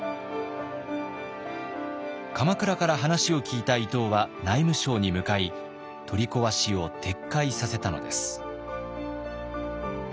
鎌倉から話を聞いた伊東は内務省に向かい取り壊しを撤回させたのです。